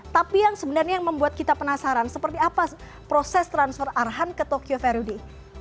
tapi yang sebenarnya yang membuat kita penasaran seperti apa proses transfer arhan ke tokyo verudy